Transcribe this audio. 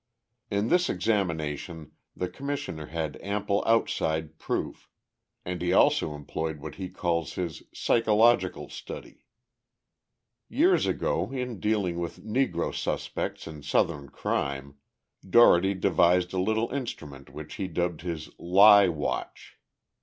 In this examination the Commissioner had ample outside proof, and he also employed what he calls his "psychological study." Years ago, in dealing with negro suspects in Southern crime, Dougherty devised a little instrument which he dubbed his "lie watch."